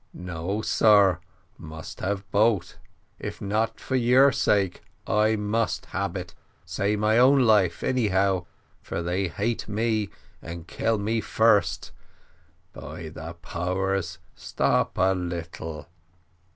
No, sar must have boat if not for your sake, I must hab it, save my own life anyhow, for they hate me and kill me first; by de powers, stop a little."